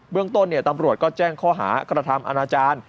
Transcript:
เบื้องต้นเนี่ยตำรวจก็แจ้งข้อหากฎธรรมอาณาจารย์